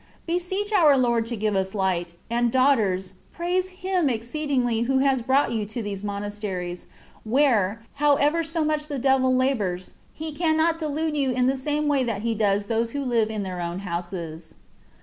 Beseech our Lord to give us light ; and, daughters, praise Him exceedingly who has brought you to these monasteries, where, how much soever the devil labours, he cannot delude you in the same way that he does those who live in their own houses.